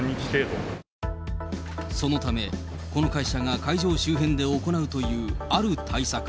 そのため、この会社が会場周辺で行うという、ある対策。